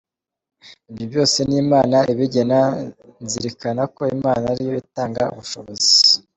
Ibyo byose ni Imana ibigena, nzirikana ko Imana ariyo itanga ubushobozi”.